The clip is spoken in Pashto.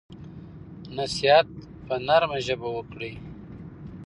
نصیحت په نرمه ژبه وکړئ.